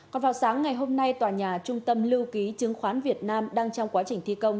còn vào sáng ngày hôm nay tòa nhà trung tâm lưu ký chứng khoán việt nam đang trong quá trình thi công